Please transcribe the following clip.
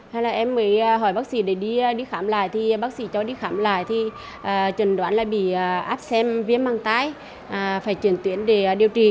hay là em mới hỏi bác sĩ để đi khám lại thì bác sĩ cho đi khám lại thì chuẩn đoán là bị áp xem viêm măng tay phải chuyển tuyến để điều trị